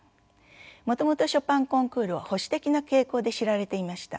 もともとショパンコンクールは保守的な傾向で知られていました。